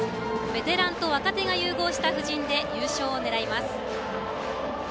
ベテランと若手が融合した布陣で優勝を狙います。